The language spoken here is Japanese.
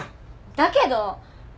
だけど！